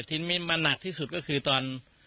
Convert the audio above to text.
ทีนี้มาหนักที่สุดก็คือตอน